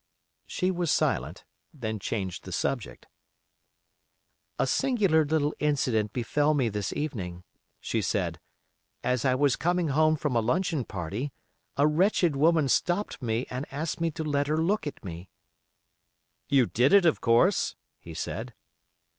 She was silent, then changed the subject. "A singular little incident befell me this evening," she said. "As I was coming home from a luncheon party, a wretched woman stopped me and asked me to let her look at me." "You did it, of course," he said.